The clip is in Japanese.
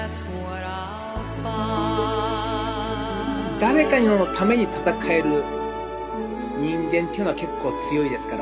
誰かのために戦える人間っていうのは、結構強いですから。